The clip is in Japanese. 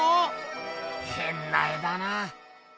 へんな絵だなあ。